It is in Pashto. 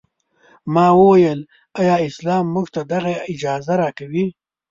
ما وویل ایا اسلام موږ ته دغه اجازه راکوي.